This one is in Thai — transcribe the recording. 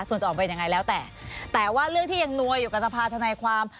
ส่วนจะออกเป็นยังไงแล้วแต่แต่ว่าเรื่องที่ยังนัวอยู่กับสภาธนายความ